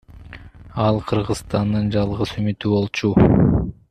Ал Кыргызстандын жалгыз үмүтү болчу.